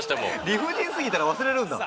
理不尽すぎたら忘れるんだ。